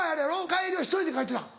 帰りは１人で帰ってたん？